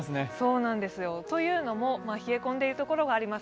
というのも冷え込んでいるところがあります。